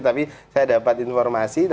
tapi saya dapat informasi